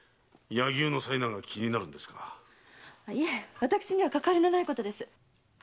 私にはかかわりのないことです。